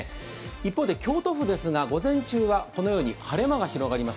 一方で京都府ですが午前中はこのように晴れ間も広がります。